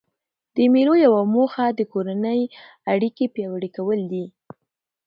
د مېلو یوه موخه د کورنۍ اړیکي پیاوړي کول دي.